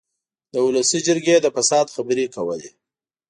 د اولسي جرګې د فساد خبرې کولې.